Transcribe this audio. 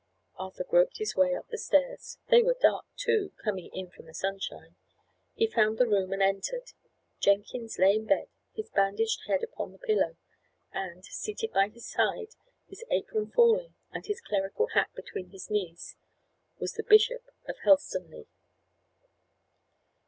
Arthur groped his way up the stairs; they were dark too, coming in from the sunshine. He found the room, and entered. Jenkins lay in bed, his bandaged head upon the pillow; and, seated by his side, his apron falling, and his clerical hat held between his knees, was the Bishop of Helstonleigh.